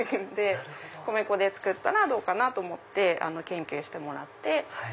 米粉で作ったらどうかなと思って研究してもらって。